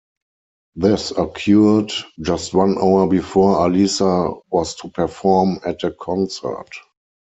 This occurred just one hour before Alisa was to perform at a concert.